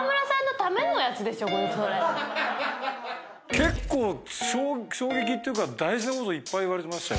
結構衝撃っていうか大事なこといっぱい言われてましたよ